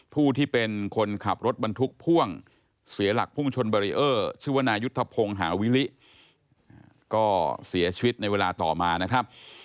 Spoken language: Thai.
ผู้ที่เป็นคนขับรถบรรทุกพ่วงเสียหลักพุ่งชนบารีเออร์ชื่อว่านายุทธพงศ์หาวิลิก็เสียชีวิตในเวลาต่อมานะครับ